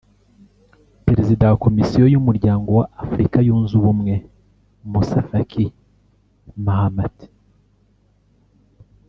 Perezida wa Komisiyo y’Umuryango wa Afurika Yunze Ubumwe Moussa Faki Mahamat